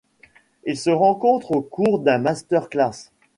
Ils se rencontrent au cours d'un master class.